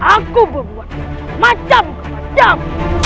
aku berbuat macam macam